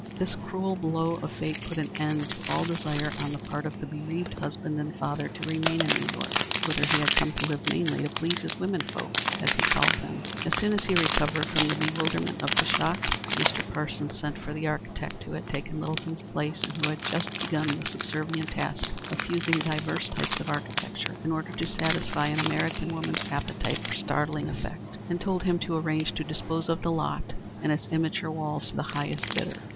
This cruel blow of fate put an end to all desire on the part of the bereaved husband and father to remain in New York, whither he had come to live mainly to please his women folk, as he called them. As soon as he recovered from the bewilderment of the shock, Mr. Parsons sent for the architect who had taken Littleton's place, and who had just begun the subservient task of fusing diverse types of architecture in order to satisfy an American woman's appetite for startling effect, and told him to arrange to dispose of the lot and its immature walls to the highest bidder.